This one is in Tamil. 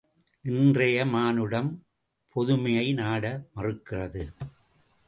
இன்றைய மானுடம் பொதுமையை நாட மறுக்கிறது.